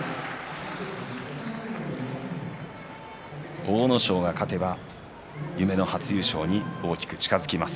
阿武咲勝てば夢の初優勝に大きく近づきます。